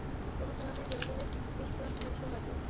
কোনো ধরনের কেমিক্যালের বিস্ফোরন হয়েছে হয়তো!